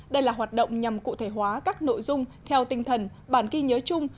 đây là hoạt động nhằm cụ thể hóa các nội dung theo tinh thần bản ghi nhớ chung